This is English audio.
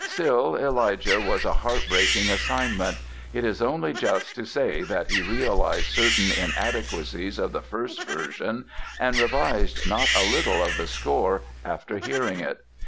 Still, "Elijah" was a heart breaking assignment. It is only just to say that he realized certain inadequacies of the first version and revised not a little of the score after hearing it.